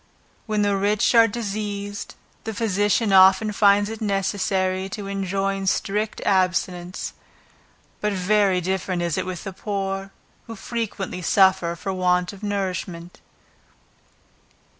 When the rich are diseased, the physician often finds it necessary to enjoin strict abstinence; but very different is it with the poor, who frequently suffer for want of nourishment.